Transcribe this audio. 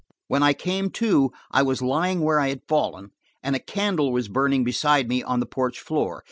While I came to 1 was lying where I had fallen, and a candle was burning beside me on the porch floor.